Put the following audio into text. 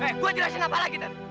eh gua jelasin apa lagi ter